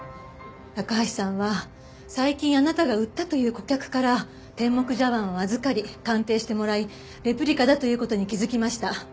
高橋さんは最近あなたが売ったという顧客から天目茶碗を預かり鑑定してもらいレプリカだという事に気づきました。